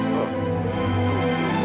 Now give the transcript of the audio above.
bawa ke tempat itu